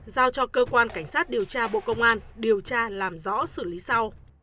giao cho cơ quan cảnh sát điều tra bộ công an điều tra làm rõ xử lý sau